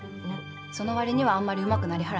その割にはあんまりうまくなりはらへんけど。